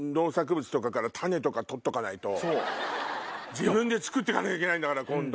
自分で作って行かなきゃいけないんだから今度。